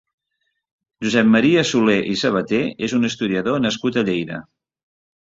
Josep Maria Solé i Sabaté és un historiador nascut a Lleida.